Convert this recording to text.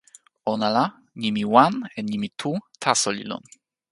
ona la, nimi "wan" en nimi "tu" taso li lon.